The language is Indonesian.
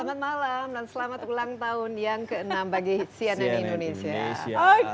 selamat malam dan selamat ulang tahun yang ke enam bagi cnn indonesia